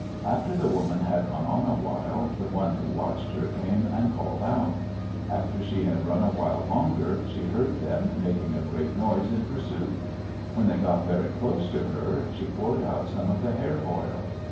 After the woman had gone on awhile, the one who watched her came and called out. After she had run awhile longer, she heard them making a great noise in pursuit. When they got very close to her, she poured out some of the hair oil.